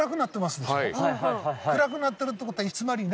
暗くなってるってことはつまり。